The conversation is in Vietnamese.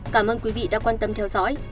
cảm ơn quý vị đã quan tâm theo dõi